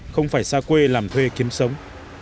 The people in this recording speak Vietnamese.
không phải xa quê làm thuê kiếm sống